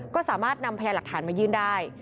ก็สามารถนำพยานหลักฐานมายื่นได้